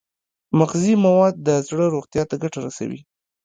مغذي مواد د زړه روغتیا ته ګټه رسوي.